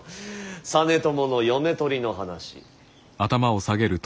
実朝の嫁取りの話。